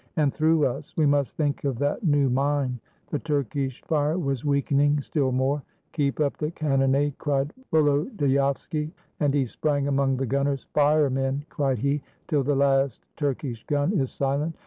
"And through us. We must think of that new mine." The Turkish fire was weakening still more. "Keep up the cannonade!" cried Volodyovski. And he sprang among the gunners. "Fire, men!" cried he, " till the last Turkish gun is silent!